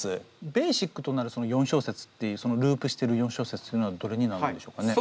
ベーシックとなるその４小節っていうそのループしてる４小節というのはどれになるんでしょうかね？